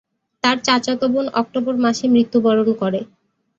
তার চাচাতো বোন অক্টোবর মাসে মৃত্যুবরণ করে।